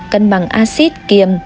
cân bằng acid kiềm